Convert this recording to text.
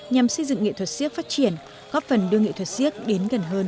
nhằm xây dựng nghị thuật siếc phát triển góp phần đưa nghị thuật siếc đến gần hơn